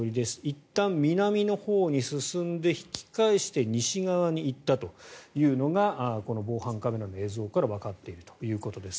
いったん南のほうに進んで引き返して西側に行ったというのがこの防犯カメラの映像からわかっているということです。